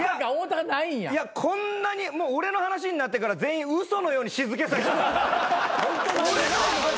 こんなに俺の話になってから全員嘘のように静けさが。